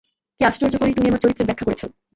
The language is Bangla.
কী আশ্চর্য করেই তুমি আমার চরিত্রের ব্যাখ্যা করেছ।